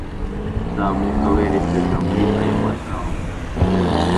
Zamuka werekeza muri ayo matongo